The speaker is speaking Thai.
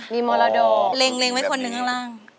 มีมรดกเร็งไว้คนนึงล่าง